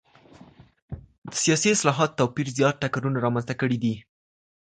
د سياسي اصطلاحاتو توپير زيات ټکرونه رامنځته کړي دي.